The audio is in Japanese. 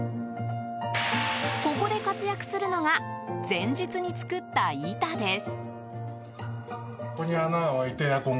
ここで活躍するのが前日に作った板です。